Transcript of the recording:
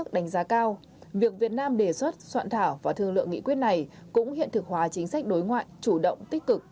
đánh giá cao việc việt nam đề xuất soạn thảo và thương lượng nghị quyết này cũng hiện thực hóa chính sách đối ngoại chủ động tích cực